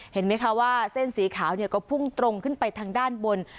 เห็นไหมคะว่าเส้นสีขาวก็พุ่งตรงขึ้นไปทางด้านบน